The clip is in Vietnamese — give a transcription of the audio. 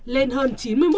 lên hơn chín mươi một